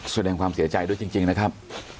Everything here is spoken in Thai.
แสดงความเสียใจด้วยจริงนะครับ